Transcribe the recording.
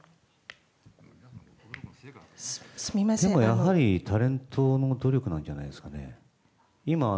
やはりタレントの努力なんじゃないですかね。